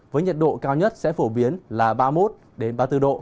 với nhiệt độ cao nhất sẽ phổ biến là ba mươi một ba mươi bốn độ